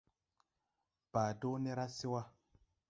Baa dɔɔ ne ra se wà.